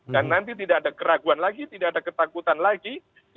dan nanti tidak ada keraguan lagi tidak ada ketakutan lagi